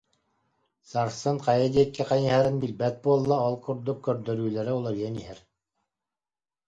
Сарсын хайа диэки хайыһарын билбэт буолла, ол курдук көрдөрүүлэрэ уларыйан иһэр